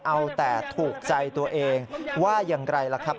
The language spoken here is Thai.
เอาแต่ถูกใจตัวเองว่าอย่างไรล่ะครับ